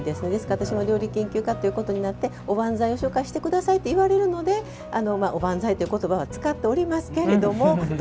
私も料理研究家ということになっておばんざいを紹介してくださいといわれるので、おばんざいという言葉は使っておりますけれどもと。